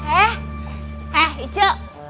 eh eh icuk